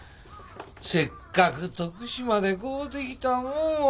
せっかく徳島で買うてきたもんを。